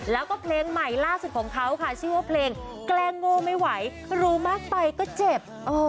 แล้วก็เพลงใหม่ล่าสุดของเขาค่ะชื่อว่าเพลงแกล้งโง่ไม่ไหวรู้มากไปก็เจ็บ